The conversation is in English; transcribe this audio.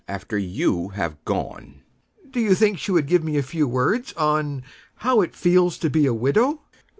B. B. After you have gone. THE NEWSPAPER MAN. Do you think she would give me a few words on How It Feels to be a Widow?